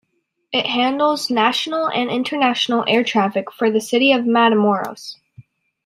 It handles national and international air traffic for the city of Matamoros.